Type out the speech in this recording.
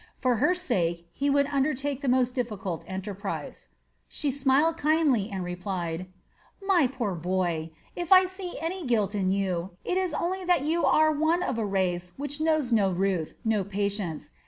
For her sake he would undertake the most difficult enterprise. She smiled kindly and replied: "My poor boy! If I see any guilt in you, it is only that you are one of a race which knows no ruth, no patience.